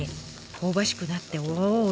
香ばしくなっておお！